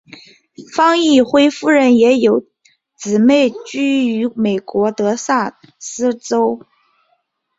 方奕辉夫人也有姊妹居于美国德萨斯州。